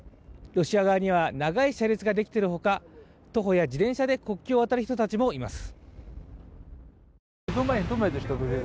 ロシア側には長い車列ができてるほか徒歩や自転車で国境を渡る人たちもいます